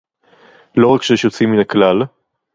לא רק שיש יוצאים מן הכלל